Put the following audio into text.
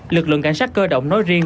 lực lượng cảnh sát cơ động nói riêng